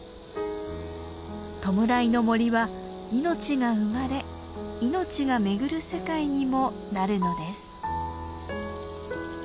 弔いの森は命が生まれ命が巡る世界にもなるのです。